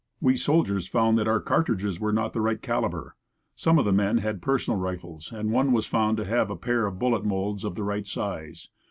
We soldiers found that our cartridges were not the right calibre. Some of the men had personal rifles, and one was found who had a pair of bullet molds of the right size.